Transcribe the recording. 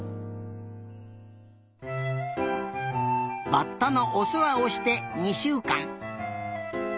バッタのおせわをして２しゅうかん。